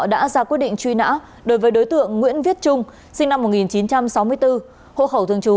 đã ra quyết định truy nã đối với đối tượng nguyễn viết trung sinh năm một nghìn chín trăm sáu mươi bốn hộ khẩu thường trú